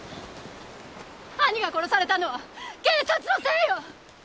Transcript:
兄が殺されたのは警察のせいよ！